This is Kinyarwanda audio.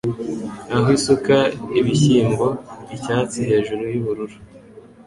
Aho isuka ibishyimbo icyatsi hejuru yubururu